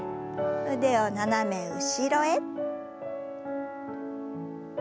腕を斜め後ろへ。